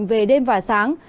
về đêm và sáng